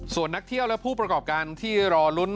ส่วนนักเที่ยวและผู้ประกอบการที่รอลุ้น